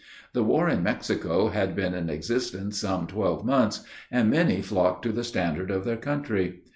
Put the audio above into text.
The war in Mexico had been in existence some twelve months, and many flocked to the standard of their country.